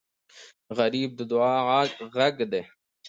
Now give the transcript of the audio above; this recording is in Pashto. غریب د دعا غږ دی